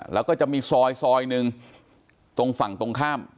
แล้วก็จะมีซอยซอยหนึ่งตรงฝั่งตรงข้าม